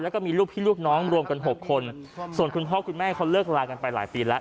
แล้วก็มีลูกพี่ลูกน้องรวมกันหกคนส่วนคุณพ่อคุณแม่เขาเลิกลากันไปหลายปีแล้ว